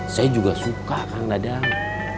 saya juga suka kang dadang